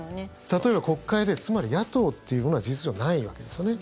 例えば、国会でつまり野党というものは事実上ないわけですよね。